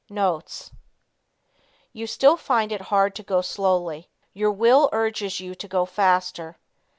Notes. You still find it hard to go slowly. Your will urges you to go faster.